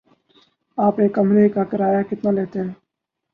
آپ ایک کمرے کا کرایہ کتنا لیتے ہیں؟